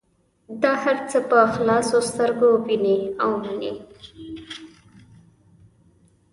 دا هر څه په خلاصو سترګو وینې او مني.